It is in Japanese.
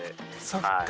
そっか。